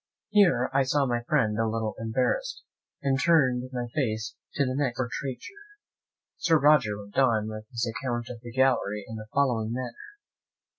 Here I saw my friend a little embarrassed, and turned my face to the next portraiture. Sir Roger went on with his account of the gallery in the following manner.